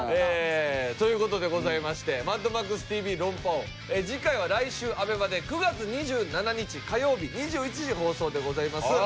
という事でございまして『マッドマックスＴＶ論破王』次回は来週アベマで９月２７日火曜日２１時放送でございます。